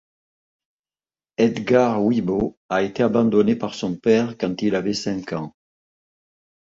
Edgar Wibeau a été abandonné par son père quand il avait cinq ans.